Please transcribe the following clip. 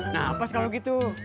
nah pas kalau gitu